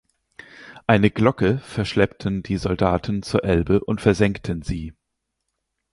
Eine Glocke verschleppten die Soldaten zur Elbe und versenkten sie.